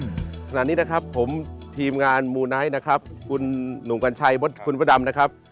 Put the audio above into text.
ขณะนี้นะครับผมทีมงานมูไนท์นะครับคุณหนุ่มกัญชัยมดคุณพระดำนะครับ